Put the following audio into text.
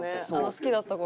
好きだった頃。